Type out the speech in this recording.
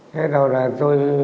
thế đầu là tôi